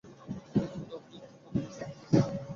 কিন্তু যখন একটা বোতাম টিপে দেওয়া হয়, তখন সেগুলো চলতে শুরু করে।